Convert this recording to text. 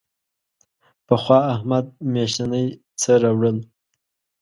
پخوا احمد میاشتنی څه راوړل.